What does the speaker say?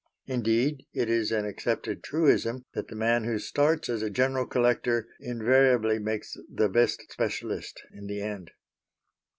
Indeed, it is an accepted truism that the man who starts as a general collector invariably makes the best specialist in the end.